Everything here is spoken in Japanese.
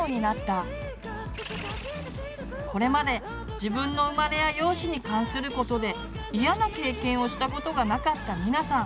これまで自分の生まれや容姿に関することで嫌な経験をしたことがなかったミナさん。